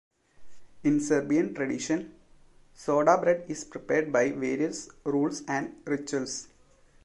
In Serbian tradition, soda bread is prepared by various rules and rituals.